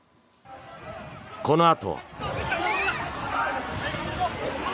このあとは。